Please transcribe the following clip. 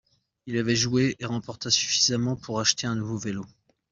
Il avait joué et remporta suffisamment pour acheter un nouveau vélo.